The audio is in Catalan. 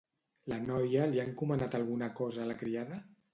La noia li ha encomanat alguna cosa a la criada?